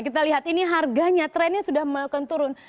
kita lihat ini harganya trennya sudah melakukan turun